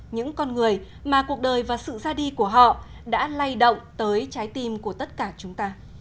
những con người mà cuộc đời và sự ra đi của họ đã lay động tới trái tim của tất cả chúng ta